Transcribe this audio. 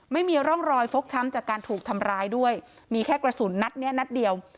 ไม่มีร่องรอยฟกช้ำจากการถูกทำร้ายด้วยมีแค่กระสุนนัดเนี้ยนัดเดียว